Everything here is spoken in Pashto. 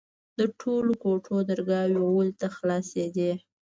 د ټولو کوټو درگاوې غولي ته خلاصېدې.